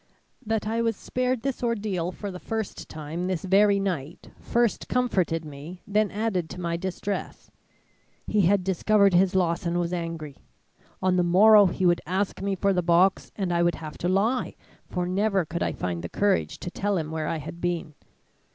"That I was spared this ordeal for the first time this very night first comforted me, then added to my distress. He had discovered his loss and was angry. On the morrow he would ask me for the box and I would have to lie, for never could I find the courage to tell him where I had been.